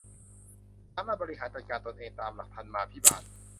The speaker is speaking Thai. สามารถบริหารจัดการตนเองตามหลักธรรมาภิบาล